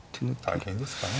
大変ですかね。